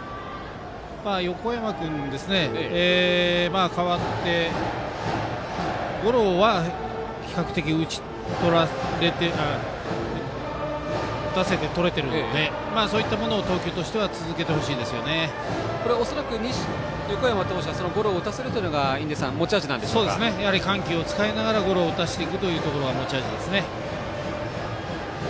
横山君、代わってゴロは比較的打たせて、とれてるのでそういうものを投球としてはこれは恐らく横山投手はゴロを打たせるというのが緩急を使いながらゴロを打たせていくのが持ち味です。